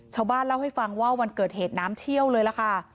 ชาวบ้านเล่าให้ฟังว่าวันเกิดเหตุน้ำเชี่ยวเลยล่ะค่ะ